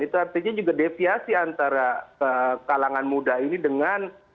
itu artinya juga deviasi antara kalangan muda ini dengan